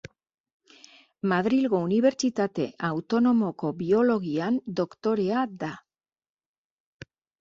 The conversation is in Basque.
Madrilgo Unibertsitate Autonomoko biologian doktorea da.